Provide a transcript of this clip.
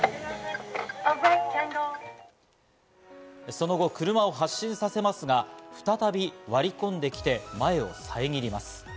その後、車を発進させますが、再び割り込んできて、前を遮ります。